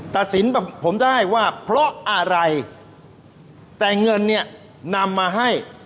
ตัดสินผมได้ว่าเพราะอะไรแต่เงินเนี่ยนำมาให้